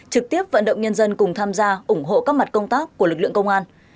trực tiếp vận động nhân dân cùng tham gia ủng hộ các mặt công tác của lực lượng công an